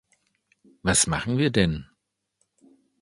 Was machen wir denn?